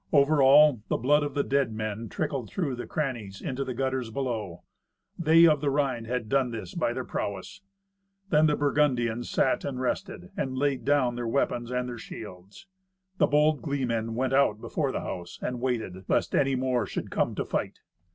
Over all, the blood of the dead men trickled through the crannies into the gutters below. They of the Rhine had done this by their prowess. Then the Burgundians sat and rested, and laid down their weapons and their shields. The bold gleeman went out before the house, and waited, lest any more should come to fight.